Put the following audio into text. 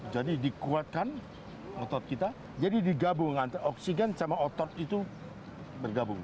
jadi dikuatkan otot kita jadi digabungkan oksigen sama otot itu bergabung